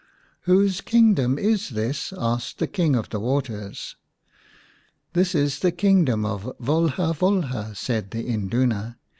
Whose kingdom is this ?" asked the King of the Waters. " This is the kingdom of Volha Volha," said the Induna.